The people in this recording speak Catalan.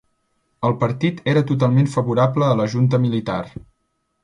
El partit era totalment favorable a la junta militar